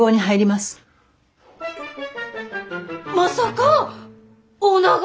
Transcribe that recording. まさかー！